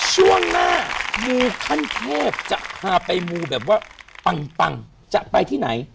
ช่วงหน้ามูขั้นเทพจะพาไปมูแบบว่าปังจะไปที่ไหน